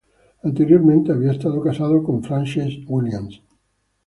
Anteriormente había estado casado con Frances Williams.